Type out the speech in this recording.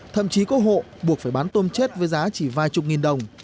thậm chí có hộ buộc phải bán tôm chết với giá chỉ vài chục nghìn đồng